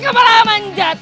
eh kembarangan manjat